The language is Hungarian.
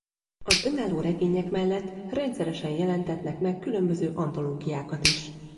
Az önálló regények mellett rendszeresen jelentetnek meg különböző antológiákat is.